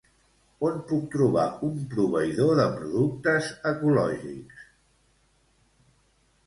On puc trobar un proveïdor de productes ecològics?